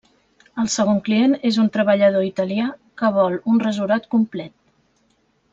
El segon client és un treballador italià que vol un rasurat complet.